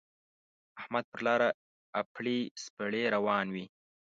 احمد پر لاره اپړې سپړې روان وِي.